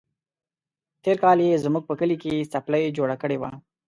تېر کال يې زموږ په کلي کې څپلۍ جوړه کړې وه.